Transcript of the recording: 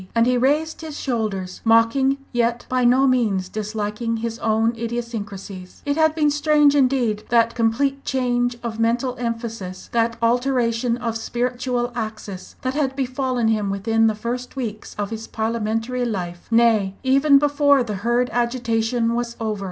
And he raised his shoulders, mocking, yet by no means disliking his own idiosyncrasies. It had been strange, indeed, that complete change of mental emphasis, that alteration of spiritual axis that had befallen him within the first weeks of his parliamentary life, nay, even before the Hurd agitation was over.